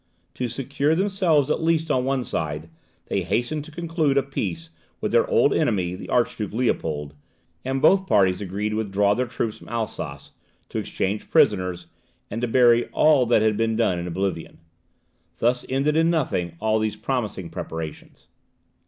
To secure themselves at least on one side, they hastened to conclude a peace with their old enemy, the Archduke Leopold; and both parties agreed to withdraw their troops from Alsace, to exchange prisoners, and to bury all that had been done in oblivion. Thus ended in nothing all these promising preparations.